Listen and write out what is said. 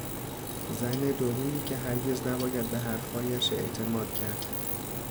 زن دورویی که هرگز نباید به حرفهایش اعتماد کرد